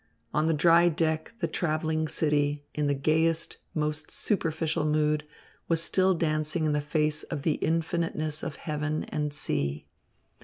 On the dry deck the travelling city, in the gayest, most superficial mood, was still dancing in the face of the infiniteness of heaven and sea.